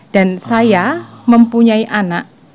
dan saya mempunyai anak